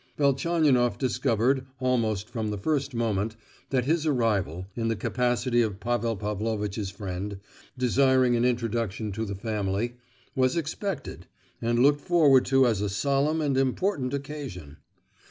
Velchaninoff discovered, almost from the first moment, that his arrival—in the capacity of Pavel Pavlovitch's friend, desiring an introduction to the family—was expected, and looked forward to as a solemn and important occasion.